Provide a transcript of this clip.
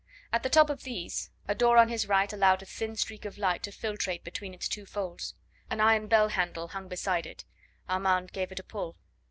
At the top of these, a door on his right allowed a thin streak of light to filtrate between its two folds. An iron bell handle hung beside it; Armand gave it a pull.